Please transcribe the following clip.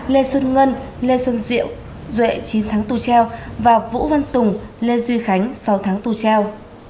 lê xuân ngân lê xuân diệu duệ chín tháng tù treo và vũ văn tùng lê duy khánh sáu tháng tù treo